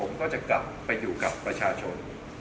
ผมก็จะกลับไปอยู่กับประชาชน